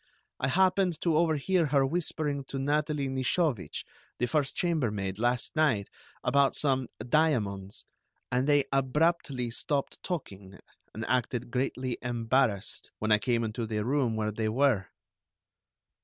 I happened to overhear her whispering to Natalie Nishovich, the first chambermaid, last night, about some 'diamonds,' and they abruptly stopped talking, and acted greatly embarrassed, when I came into the room where they were."